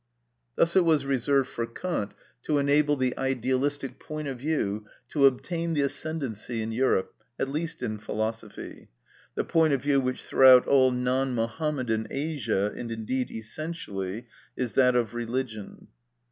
Thus it was reserved for Kant to enable the idealistic point of view to obtain the ascendancy in Europe, at least in philosophy; the point of view which throughout all non Mohammedan Asia, and indeed essentially, is that of religion.